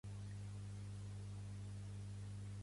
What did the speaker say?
Biant s'hi va anar a viure?